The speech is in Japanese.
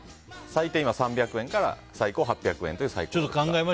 最低、今３００円から最高８００円という。